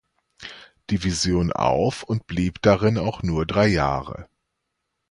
Division auf und blieb darin auch nur drei Jahre.